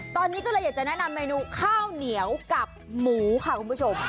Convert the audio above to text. ตอนนี้ก็เลยอยากจะแนะนำเมนูข้าวเหนียวกับหมูค่ะคุณผู้ชม